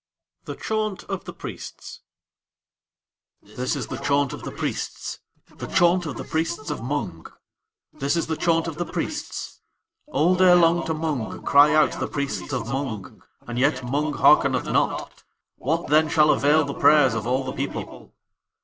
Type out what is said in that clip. THE CHAUNT OF THE PRIESTS This is the chaunt of the Priests. The chaunt of the priests of Mung. This is the chaunt of the Priests. All day long to Mung cry out the Priests of Mung, and, yet Mung harkeneth not. What, then, shall avail the prayers of All the People?